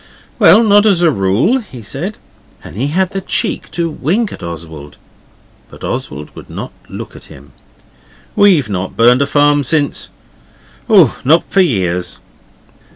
'Well, not as a rule,' he said, and he had the cheek to wink at Oswald, but Oswald would not look at him. 'We've not burned a farm since oh, not for years.